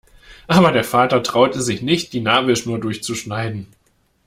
Aber der Vater traute sich nicht, die Nabelschnur durchzuschneiden.